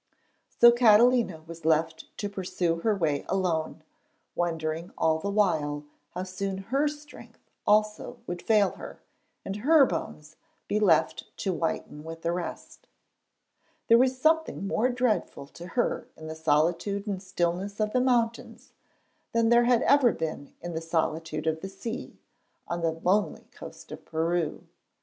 So Catalina was left to pursue her way alone, wondering all the while how soon her strength also would fail her, and her bones be left to whiten with the rest. There was something more dreadful to her in the solitude and stillness of the mountains than there ever had been in the solitude of the sea, on the lonely coast of Peru.